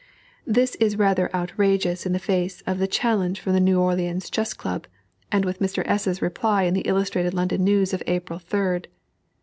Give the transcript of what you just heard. This is rather outrageous in the face of the challenge from the New Orleans Chess Club, and with Mr. S.'s reply in the Illustrated London News of April 3d.